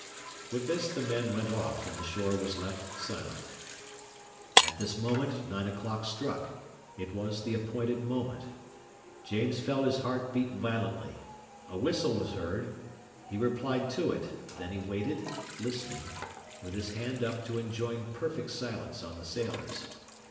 With this the men went off, and the shore was left silent. At this moment nine o'clock struck; it was the appointed moment. James felt his heart beat violently; a whistle was heard; he replied to it, then he waited, listening, with his hand up to enjoin perfect silence on the sailors.